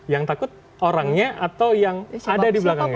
yang takut orangnya atau yang ada di belakangnya